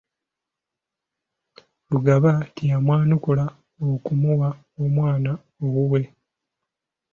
Lugaba teyamwanukula okumuwa omwana owuwe.